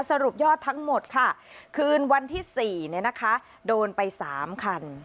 สรุปยอดทั้งหมดค่ะคืนวันที่๔โดนไป๓คัน